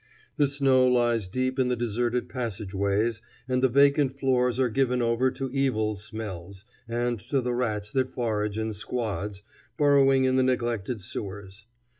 The snow lies deep in the deserted passageways, and the vacant floors are given over to evil smells, and to the rats that forage in squads, burrowing in the neglected sewers.